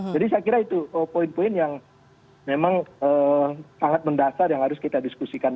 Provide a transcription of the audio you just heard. jadi saya kira itu poin poin yang memang sangat mendasar yang harus kita diskusikan